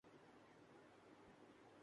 اسے کیا ضرورت پڑی ہے کہ پاکستان پہ چڑھ دوڑے۔